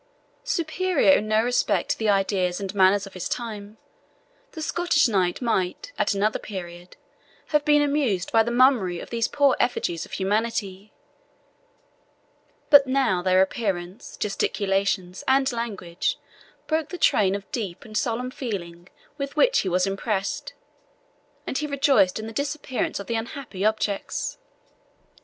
Superior in no respect to the ideas and manners of his time, the Scottish knight might, at another period, have been much amused by the mummery of these poor effigies of humanity; but now their appearance, gesticulations, and language broke the train of deep and solemn feeling with which he was impressed, and he rejoiced in the disappearance of the unhappy objects.